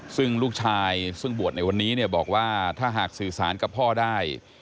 ซึ่งลูกชายซึ่งบวชในวันนี้เนี่ยบอกว่าถ้าหากสื่อสารกับพ่อได้